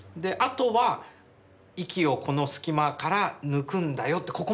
あとは息をこの隙間から抜くんだよって